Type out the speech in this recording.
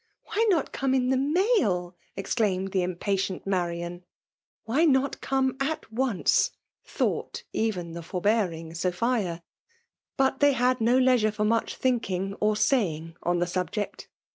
^' Why not come in the mail?*' exclaimed the impatient Marian. Why not come at once ?*' thought even the forbearing Sophia. But they had no leisure for much thinking or saying on the subject.